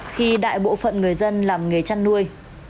khi đại bộ phận người dân làm nghề chăn nuôi